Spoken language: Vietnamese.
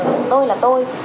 rằng tôi là tôi